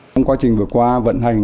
trong quá trình vừa qua vận hành